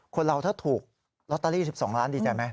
คนเราถ้าถูกลอตเตอรี่๑๒ล้านดีใจไหม